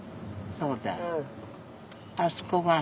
そうだ。